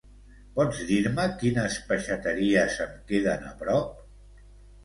Pots dir-me quines peixateries em queden a prop?